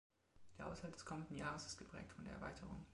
Der Haushalt des kommenden Jahres ist geprägt von der Erweiterung.